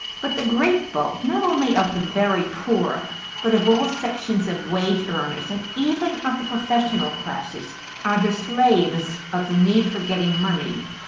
But the great bulk, not only of the very poor, but, of all sections of wage earners and even of the professional classes, are the slaves of the need for getting money.